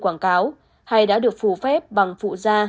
quảng cáo hay đã được phủ phép bằng phụ da